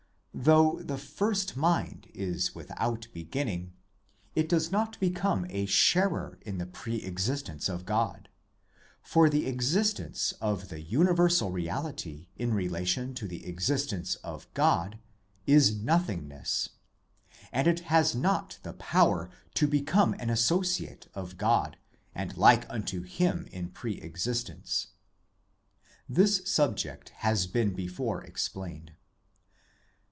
1 Though the ' First Mind ' is without beginning, it does not become a sharer in the pre existence of God, for the existence of the universal reality in relation to the existence of God is nothingness, and it has not the power to become an associate of God and like unto Him in pre existence. This subject has been before explained.